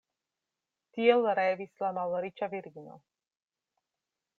Tiel revis la malriĉa virino.